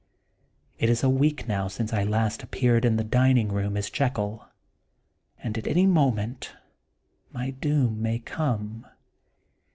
It is a week now since I last appeared in the dining room as Jekyll, and at any mo ment my doom may come.